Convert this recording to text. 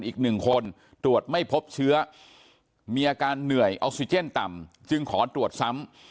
อีกหนึ่งคนตรวจไม่พบเชื้อมีอาการเหนื่อยออกซิเจนต่ำจึงขอตรวจซ้ำ